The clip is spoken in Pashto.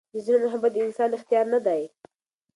د زړه محبت د انسان اختیار نه دی.